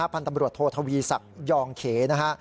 พันธบรวจโทษทวีศักดิ์ยองเขนะฮะ